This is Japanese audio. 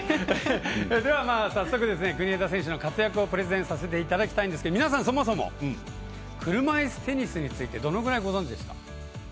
早速、国枝選手の活躍をプレゼンさせていただきたいですが皆さん、そもそも車いすテニスについてどのぐらいご存じですか？